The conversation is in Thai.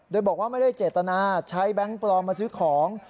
โดยบอกว่าไม่ได้เจตนาใช้แบงค์ปลอมมาซื้อของ